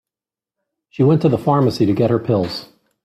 She went to the pharmacy to get her pills.